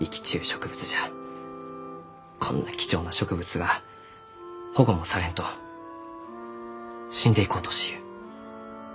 こんな貴重な植物が保護もされんと死んでいこうとしゆう。